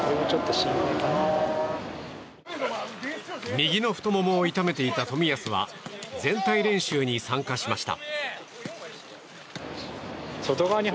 右の太ももを痛めていた冨安は全体練習に参加しました。